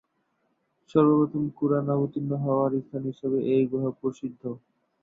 সর্বপ্রথম কুরআন অবতীর্ণ হওয়ার স্থান হিসেবে এই গুহা প্রসিদ্ধ।